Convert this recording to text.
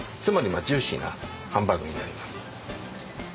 つまりジューシーなハンバーグになります。